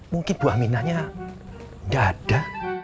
mungkin bu aminahnya nggak ada